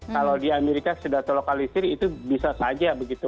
kalau di amerika sudah terlokalisir itu bisa saja begitu